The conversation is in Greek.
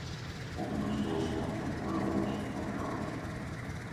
Ο γνωστός ανθρωπολόγος ΜακΡός